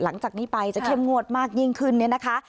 หลังจากนี้ไปจะเข้มงวดมากยิ่งขึ้นเนี่ยนะคะ